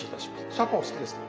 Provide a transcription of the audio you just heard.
シャンパンお好きですか？